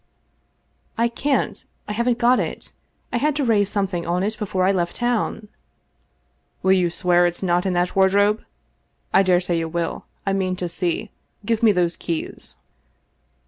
" I can't. I haven't got it I had to raise something on it before I left town." "Will you swear it's not in that ' wardrobe ? I dare say you will. I mean to see. Give me those keys."